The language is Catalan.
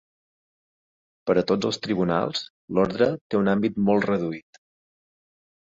Per a tots el tribunals, l'ordre té un àmbit molt reduït.